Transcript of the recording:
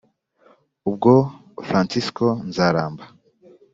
Ubwo Fransisko Nzaramba,